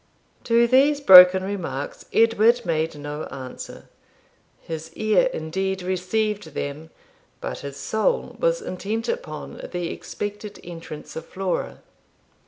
To these broken remarks Edward made no answer; his ear indeed received them, but his soul was intent upon the expected entrance of Flora.